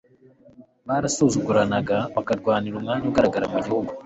barasuzuguranaga, bakarwanira umwanya ugaragara mu gihugu